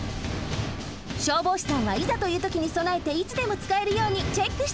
消防士さんはいざというときにそなえていつでもつかえるようにチェックしていたのね。